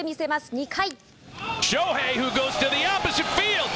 ２回。